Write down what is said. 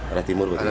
arah timur berarti ya